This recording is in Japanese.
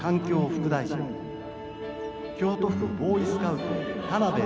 副大臣京都府ボーイスカウト田辺